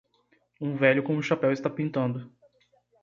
Um velho com um chapéu está pintando